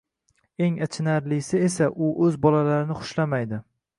Eng achinarlisi esa u o`z bolalarini xushlamaydi